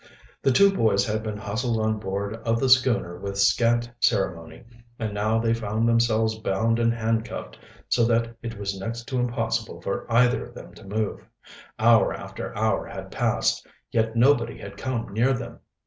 The two boys had been hustled on board of the schooner with scant ceremony, and now they found themselves bound and handcuffed, so that it was next to impossible for either of them to move. Hour after hour had passed, yet nobody had come near them.